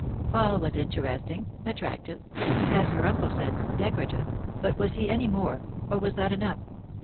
Paul was interesting, attractive—as her uncle said, 'decorative'; but was he any more, or was that enough?